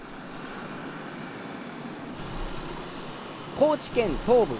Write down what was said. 高知県東部